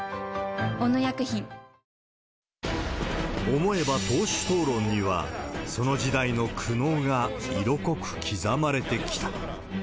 思えば党首討論には、その時代の苦悩が色濃く刻まれてきた。